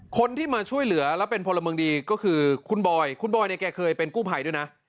คนที่มาช่วยเหลือและเป็นพลเมืองดีก็คือคุณบอยคุณบอยเนี่ยแกเคยเป็นกู้ภัยด้วยนะ